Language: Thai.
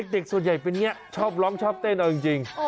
เด็กส่วนใหญ่เป็นอย่างนี้ชอบร้องชอบเต้นเอาจริง